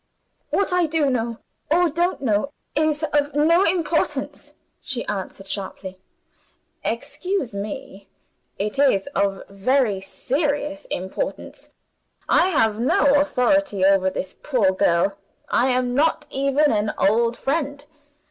"What I do know, or don't know, is of no importance." she answered sharply. "Excuse me, it is of very serious importance. I have no authority over this poor girl I am not even an old friend.